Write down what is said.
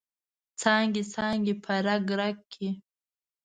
څانګې، څانګې په رګ، رګ کې